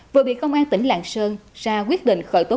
vừa bị công an tỉnh lạng sơn ra quyết định khởi tốt pháp